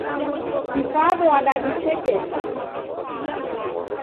Kifado wadadisekesha.